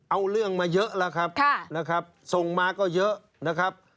เอาเรื่องมาเยอะหรือครับส่งมาก็เยอะนะครับ